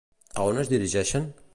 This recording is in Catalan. A on es dirigeixen?